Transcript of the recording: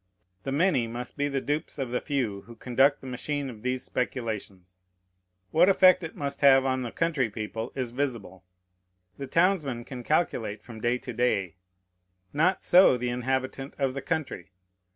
The many must be the dupes of the few who conduct the machine of these speculations. What effect it must have on the country people is visible. The townsman can calculate from day to day; not so the inhabitant of the country.